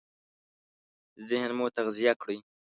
ذهن مو تغذيه کړئ!